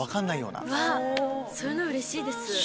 うわそういうのうれしいです。